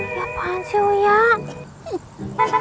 ya apaan sih uya